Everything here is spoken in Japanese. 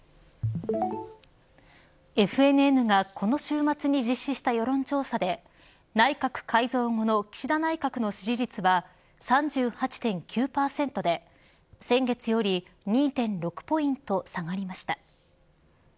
ＦＮＮがこの週末に実施した世論調査で内閣改造後の岸田内閣の支持率は３８．９％で先月より２．６ポイント下がりました。